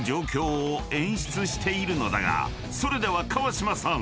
［それでは川島さん